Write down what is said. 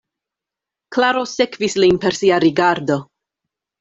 Klaro sekvis lin per sia rigardo.